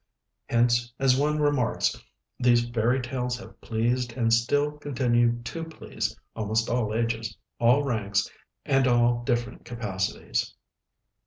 Hence, as one remarks, these Fairy Tales have pleased and still continue to please almost all ages, all ranks, and all different capacities.